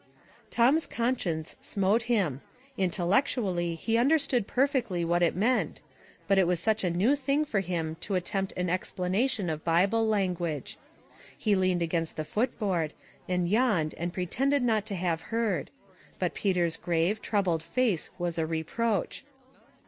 Tom's conscience smote him ; intellectually he understood perfectly what it meant, but it was such a new thing for him to attempt an explana tion of Bible language. He leaned against the foot board, and yawned, and pretended not to have heard ; but Peter's grave, troubled face waa 9 reproach.